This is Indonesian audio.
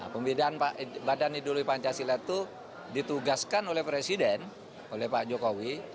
pembinaan badan ideologi pancasila itu ditugaskan oleh presiden oleh pak jokowi